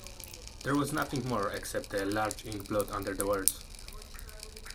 There was nothing more, except a large ink blot under the words.